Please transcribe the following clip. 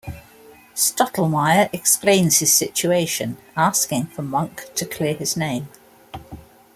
Stottlemeyer explains his situation, asking for Monk to clear his name.